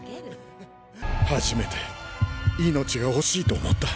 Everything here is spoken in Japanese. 初めて命が惜しいと思った。